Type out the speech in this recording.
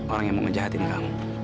orang yang mau ngejahatin kamu